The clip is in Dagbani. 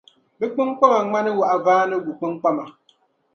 bɛ kpiŋkpama ŋmani waɣivaanigu kpinkpama.